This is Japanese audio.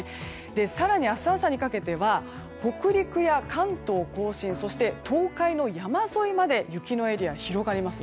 更に、明日朝にかけては北陸や関東・甲信そして東海の山沿いまで雪のエリア、広がります。